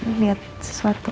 nih liat sesuatu